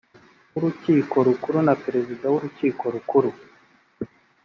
w urukiko rukuru na perezida w urukiko rukuru